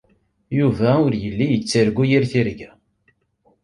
Yuba ur yelli yettargu yir tirga.